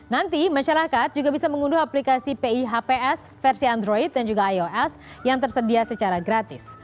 nanti masyarakat juga bisa mengunduh aplikasi pihps versi android dan juga ios yang tersedia secara gratis